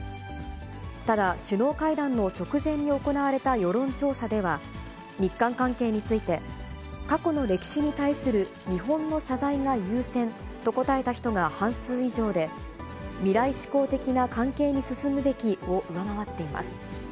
ただ、首脳会談の直前に行われた世論調査では、日韓関係について、過去の歴史に対する日本の謝罪が優先と答えた人が半数以上で、未来志向的な関係に進むべきを上回っています。